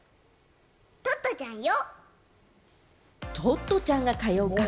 トットちゃんよ！